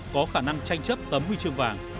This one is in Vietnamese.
có khả năng tranh chấp tấm huy chương vàng